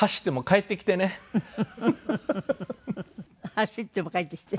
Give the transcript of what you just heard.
走っても帰ってきて。